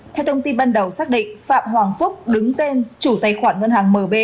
theo thông tin ban đầu xác định phạm hoàng phúc đứng tên chủ tài khoản ngân hàng mb